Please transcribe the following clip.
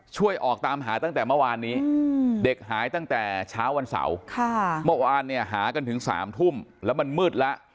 ช่วยออกตามหาตั้งแต่เมื่อวานนี้เด็กหายตั้งแต่เช้าวันเสาร์เมื่อวานเนี่ยหากันถึง๓ทุ่มแล้วมันมืดแล้ว